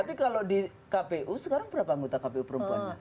tapi kalau di kpu sekarang berapa anggota kpu perempuannya